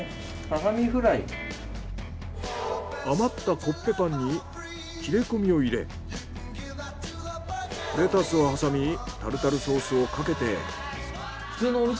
余ったコッペパンに切れ込みを入れレタスをはさみタルタルソースをかけて。